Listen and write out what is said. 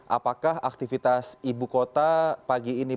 apakah aktivitas ibu kota pagi ini